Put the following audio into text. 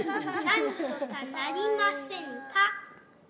何とかなりませんか？